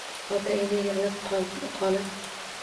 Ota-ena yig‘lab qolib